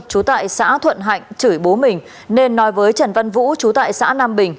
trú tại xã thuận hạnh chửi bố mình nên nói với trần văn vũ chú tại xã nam bình